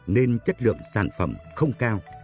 nên chất lượng sản phẩm không cao